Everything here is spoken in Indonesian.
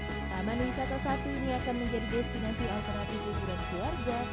taman wisata satu ini akan menjadi destinasi alternatif liburan keluarga